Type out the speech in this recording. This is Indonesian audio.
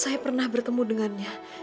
saya pernah bertemu dengannya